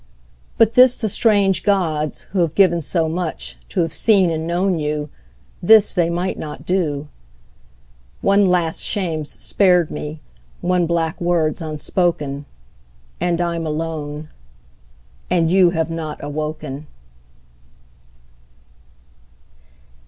But this the strange gods, who had given so much, To have seen and known you, this they might not do. One last shame's spared me, one black word's unspoken; And I'm alone; and you have not awoken.